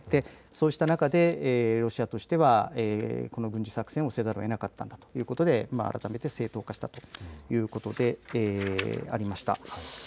そうした中でロシアとしてはこの軍事作戦はしょうがなかったんだと改めて正当化したということでありました。